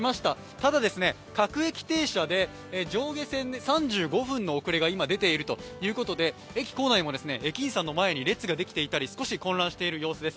ただ各駅停車で上下線で３５分の遅れが今出ているということで駅構内も駅員さんの前に列ができていたり少し混乱している様子です。